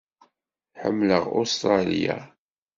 Ḥemmleɣ Ustṛalya.